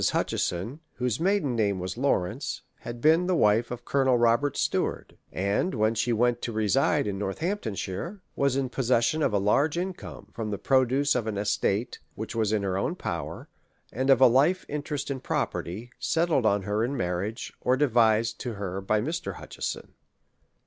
Hutcheson, whose maiden name was Lawrence, had been the wife of Colonel Robert Steward ; and, when she went to reside in Northamptonshire, was in pos session of a large income, from the produce of an es tate which was in her own power, and of a life interest in property, settled on her in marriage, or devised to her by Mr. Hutcheson.